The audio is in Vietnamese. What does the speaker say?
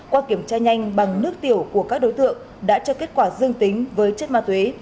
qua kiểm tra nhanh bằng nước tiểu của các đối tượng đã cho kết quả dương tính với chất ma túy